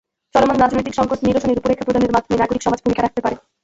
চলমান রাজনৈতিক সংকট নিরসনে রূপরেখা প্রদানের মাধ্যমে নাগরিক সমাজ ভূমিকা রাখতে পারে।